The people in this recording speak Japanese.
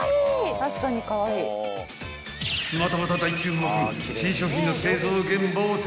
［またまた大注目］